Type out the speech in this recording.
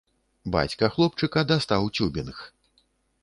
Бацька хлопчыка дастаў цюбінг.